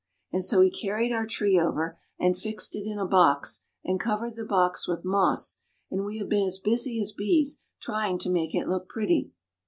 And so he carried our tree over, and fixed it in a box, and covered the box with moss, and we have been as busy as bees trying to make it look pretty.